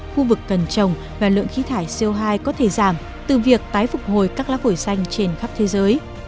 khu vực cần trồng và lượng khí thải co hai có thể giảm từ việc tái phục hồi các lá phổi xanh trên khắp thế giới